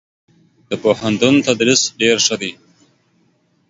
دپوهنتون تدريس ډير ښه دی.